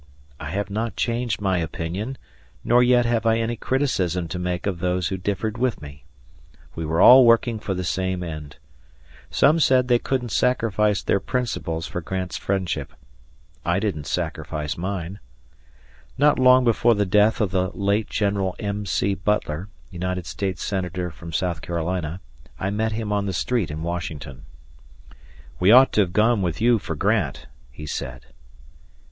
I have not changed my opinion, nor yet have I any criticism to make of those who differed with me. We were all working for the same end. Some said they couldn't sacrifice their principles for Grant's friendship; I didn't sacrifice mine. Not long before the death of the late General M. C. Butler, United States Senator from South Carolina, I met him on the street in Washington. "We ought to have gone with you for Grant," he said.